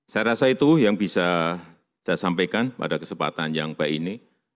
saya rasa itu yang bisa saya sampaikan pada kesempatan yang baik ini